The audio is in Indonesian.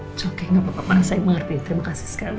oke gak apa apa saya mengerti terima kasih sekali